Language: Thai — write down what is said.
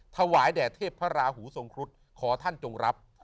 ถวายแด่เทพพระราหูทรงครุฑขอท่านจงรับ